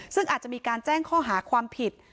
ซึ่งอาจจะมีการแจ้งข้อหาความผิด